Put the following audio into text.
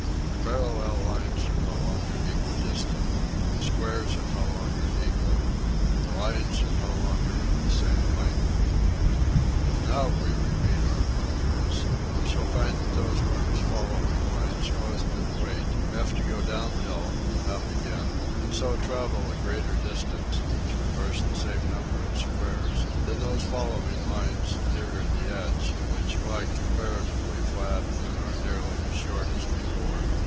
The parallel " lines are no longer equidistant. The squares are no longer equal. The lines are no longer of the same length. If now we repeat our worm race we shall find that those worms following lines close to the weight have to go down hill and up again and so travel a greater distance to traverse the same num ber of squares than those following lines nearer the edge which lie comparatively flat and are nearly as short as before.